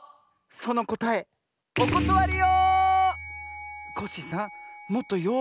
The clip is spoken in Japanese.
そのこたえおことわりよ！